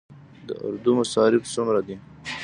د اردو مصارف څومره دي؟